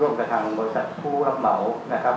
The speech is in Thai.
กับทางบริษัทผู้รับเหมานะครับ